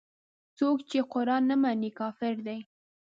څوک چې قران نه مني کافر دی.